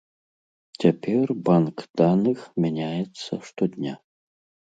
Цяпер банк даных мяняецца штодня.